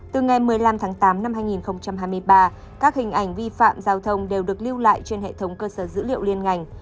từ ngày một mươi năm tháng tám năm hai nghìn hai mươi ba các hình ảnh vi phạm giao thông đều được lưu lại trên hệ thống cơ sở dữ liệu liên ngành